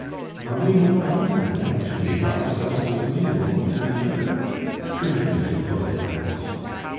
"Are we not bound, madame, to make ourselves agreeable to each other? Permit me to blow my nose.